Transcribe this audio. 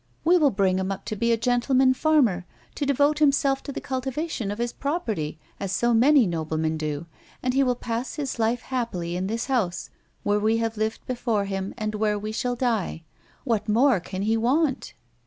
" We will bring him up to be a gentleman farmer, to devote himself to the cultivation of his property, as so many noblemen do, and he will pass his life happily in this house, where we have lived before him and where we shall die. What more can he want